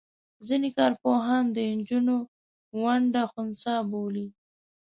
ځینې کار پوهان د انجوګانو ونډه خنثی بولي.